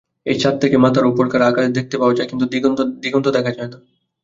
এই ছাদ থেকে মাথার উপরকার আকাশ দেখতে পাওয়া যায়, দিগন্ত দেখা যায় না।